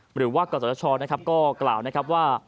หรือว่ากฎศชก็กล่าวนะครับว่า